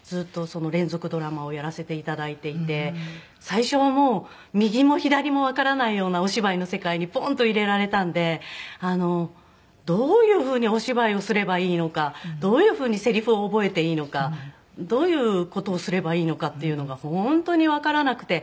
最初はもう右も左もわからないようなお芝居の世界にポンッと入れられたのでどういうふうにお芝居をすればいいのかどういうふうにセリフを覚えていいのかどういう事をすればいいのかっていうのが本当にわからなくて。